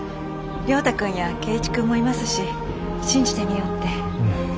亮太くんや恵一くんもいますし信じてみようって。